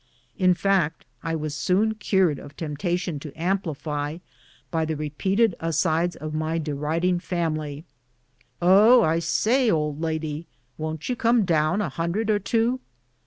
In fact I was soon cured of temptation to amplify, by the repeated asides of my deriding family, " Oh, I say, old lady, won't you come down a hundred or two?"